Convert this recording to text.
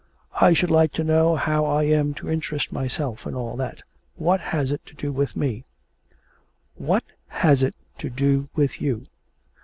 I should like to know how I am to interest myself in all that. What has it to do with me?' 'What has it to do with you!